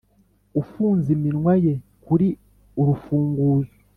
ufunze iminwa ye kuri urufunguzo,